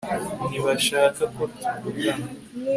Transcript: ntibashaka ko tuvugana